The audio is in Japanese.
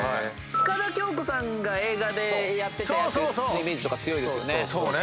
深田恭子さんが映画でやってたやつのイメージが強いですよね。